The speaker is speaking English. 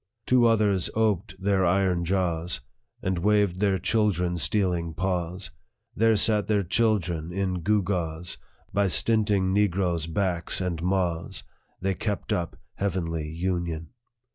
" Two others oped their iron jaws, And waved their children stealing paws ; There sat their children in gewgaws ; By stinting negroes' backs and maws, They kept up heavenly union.